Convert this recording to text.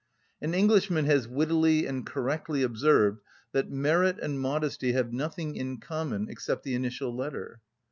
An Englishman has wittily and correctly observed that merit and modesty have nothing in common except the initial letter.